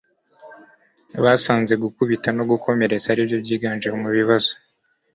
basanze gukubita no gukomeretsa aribyo byiganje mu bibazo